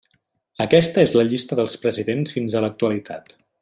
Aquesta és la llista dels presidents fins a l'actualitat.